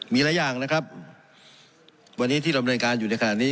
มีหลายอย่างนะครับวันนี้ที่ดำเนินการอยู่ในขณะนี้